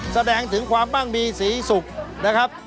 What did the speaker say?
แสดงถึงความมั่งมีศรีสุขนะครับ